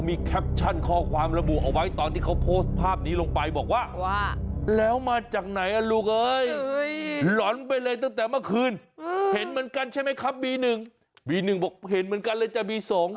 บีหนึ่งบอกเห็นเหมือนกันเลยจะบีสอง